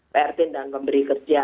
prt dan pemberi kerja